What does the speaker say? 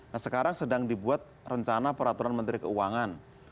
nah sekarang sedang dibuat rencana peraturan menteri keuangan